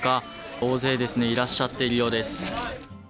大勢いらっしゃっているようです。